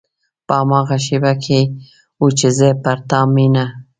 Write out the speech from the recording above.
په هماغه شېبه کې و چې زه پر تا مینه شوم.